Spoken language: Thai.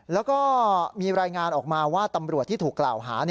แล้วก็มีรายงานออกมาว่าตำรวจที่ถูกกล่าวหา